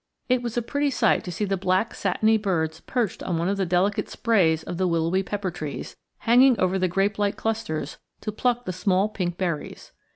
It was a pretty sight to see the black satiny birds perched on one of the delicate sprays of the willowy pepper trees, hanging over the grape like clusters, to pluck the small pink berries.